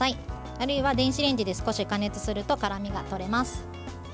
あるいは電子レンジで少し加熱すると辛みがとれます。